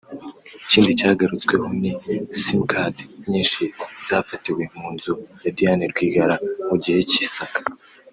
Ikindi cyagarutsweho ni sim card nyinshi zafatiwe mu nzu ya Diane Rwigara mu gihe cy’isaka